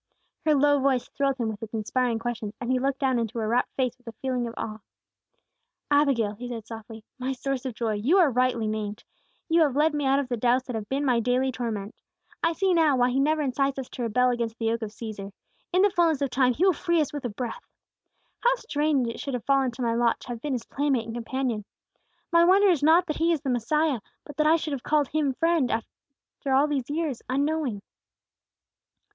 Her low voice thrilled him with its inspiring questions, and he looked down into her rapt face with a feeling of awe. "Abigail," he said softly, "'my source of joy,' you are rightly named. You have led me out of the doubts that have been my daily torment. I see now, why He never incites us to rebel against the yoke of Cæsar. In the fulness of time He will free us with a breath. "How strange it should have fallen to my lot to have been His playmate and companion. My wonder is not that He is the Messiah; but that I should have called Him friend, all these years, unknowing."